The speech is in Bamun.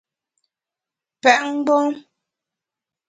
Pèt mgbom !